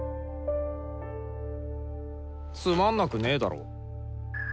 つまんなくねだろ。